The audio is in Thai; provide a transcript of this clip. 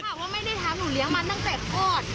ว่าไม่ได้ทำหนูเลี้ยงมันตั้งแต่คลอด